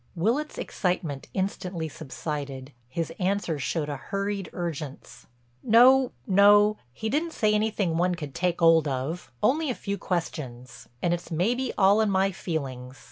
Willitts' excitement instantly subsided; his answer showed a hurried urgence: "No, no—he didn't say anything one could take 'old of—only a few questions. And it's maybe all in my feelings.